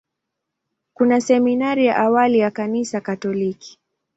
Kuna seminari ya awali ya Kanisa Katoliki.